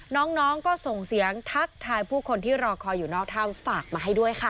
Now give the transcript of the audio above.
น้องก็ส่งเสียงทักทายผู้คนที่รอคอยอยู่นอกถ้ำฝากมาให้ด้วยค่ะ